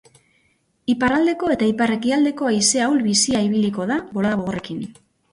Iparraldeko eta ipar-ekialdeko haize ahul-bizia ibiliko da, bolada gogorrekin.